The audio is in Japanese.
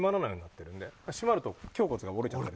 締まると胸骨が折れちゃうので。